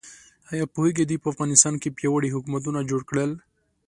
ایا پوهیږئ دوی په افغانستان کې پیاوړي حکومتونه جوړ کړل؟